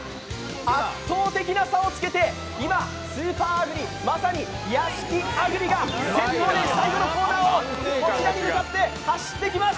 圧倒的な差をつけて今、スーパー亜久里、まさにヤシキ亜久里が先頭で最後のコーナーをこちらに向かって走ってきます。